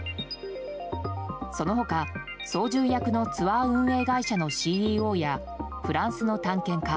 その他、操縦役のツアー運営会社のＣＥＯやフランスの探検家